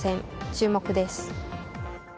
注目です。